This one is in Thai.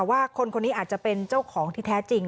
ว่าคนคนนี้อาจจะเป็นเจ้าของที่แท้จริง